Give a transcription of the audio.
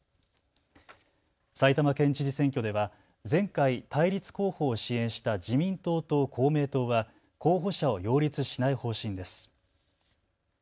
埼玉県知事選挙では前回、対立候補を支援した自民党と公明党は候補者を擁立しない方針です。